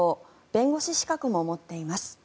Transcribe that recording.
弁護士資格も持っています。